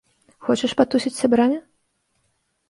Хочаш патусіць з сябрамі?